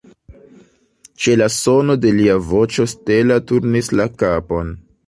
Ĉe la sono de lia voĉo Stella turnis la kapon.